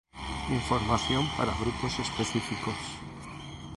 Información para grupos específicos